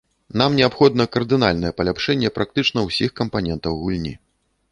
Нам неабходна кардынальнае паляпшэнне практычна ўсіх кампанентаў гульні.